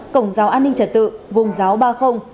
cổng giáo an ninh trật tự vùng giáo ba mươi